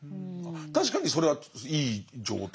確かにそれはいい状態。